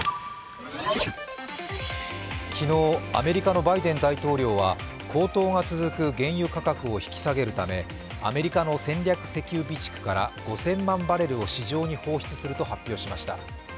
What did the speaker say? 昨日、アメリカのバイデン大統領は高騰が続く原油価格を引き下げるためアメリカの戦略石油備蓄から５０００万バレルを市場に放出すると発表しました。